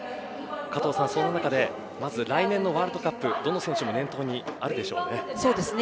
加藤さん、その中でまず来年のワールドカップどの選手も念頭にあるでしょうね。